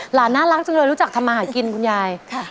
น่ารักจังเลยรู้จักทำมาหากินคุณยาย